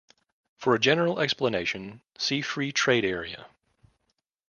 For a general explanation, see free-trade area.